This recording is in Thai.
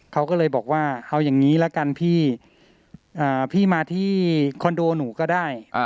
เขาก็เลยบอกว่าเอาอย่างนี้ละกันพี่พี่มาที่คอนโดหนูก็ได้